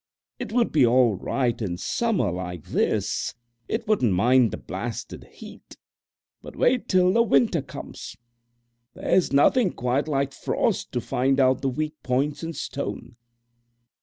It would be all right in the summer like this; it wouldn't mind the blasted heat. But wait till the winter comes. There's nothing quite like frost to find out the weak points in stone."